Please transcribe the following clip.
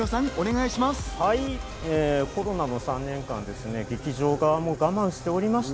コロナの３年間、劇場側も我慢しておりました。